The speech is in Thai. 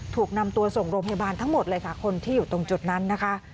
ถูกนำตัวส่งโรงพยาบาลทั้งหมดเลยค่ะคนที่อยู่ตรงจุดนั้นนะคะ